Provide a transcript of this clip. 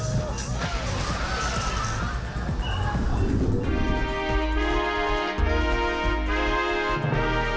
เสียงแรงกับคุณสงนชาติออกมาจากที่ชุดไทย